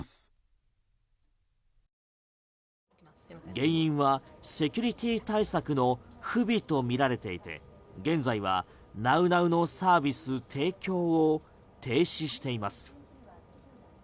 原因はセキュリティ対策の不備とみられていて現在はＮａｕＮａｕのサービス提供を停止しています。